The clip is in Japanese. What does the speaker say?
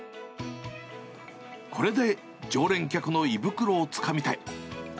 これで常連客の胃袋をつかみたい。